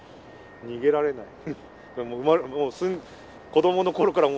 逃げられない。